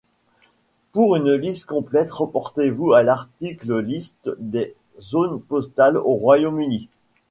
Pour une liste complète, reportez-vous à l'article Liste des zones postales au Royaume-Uni.